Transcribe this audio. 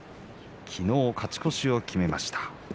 昨日、勝ち越しを決めました。